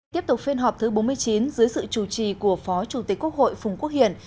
tiếp tục phiên họp thứ bốn mươi chín dưới sự chủ trì của phó chủ tịch quốc hội phùng quốc hiển